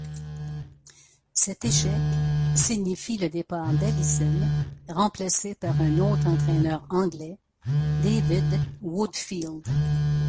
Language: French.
Cet échec signifie le départ d'Allison, remplacé par un autre entraîneur anglais, David Woodfield.